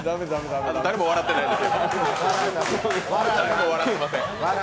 誰も笑ってないです。